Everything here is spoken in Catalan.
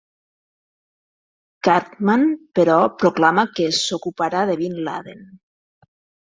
Cartman, però, proclama que "s'ocuparà" de Bin Laden.